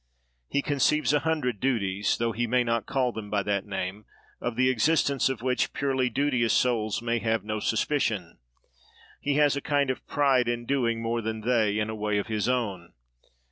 He conceives a hundred duties, though he may not call them by that name, of the existence of which purely duteous souls may have no suspicion. He has a kind of pride in doing more than they, in a way of his own.